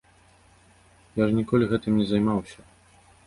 Я ж ніколі гэтым не займаўся.